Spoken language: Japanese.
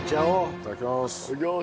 いただきます！